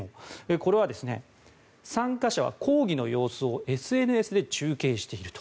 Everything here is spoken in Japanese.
これは参加者は抗議の様子をＳＮＳで中継していると。